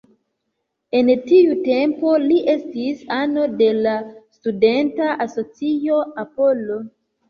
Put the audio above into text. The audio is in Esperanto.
En tiu tempo li estis ano de la studenta asocio "Apollo".